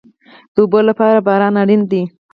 د اوبو لپاره باران اړین دی